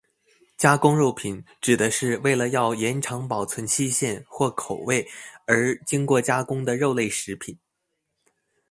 加工肉品指的是为了要延长保存期限或口味而经过加工的肉类食物。